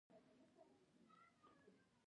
د پکتیا په احمد خیل کې د کرومایټ نښې شته.